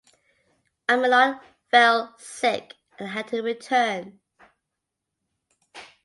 Amelot fell sick and had to return.